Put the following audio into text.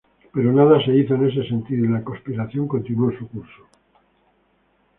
Pero nada se hizo en ese sentido y la conspiración continuó su curso.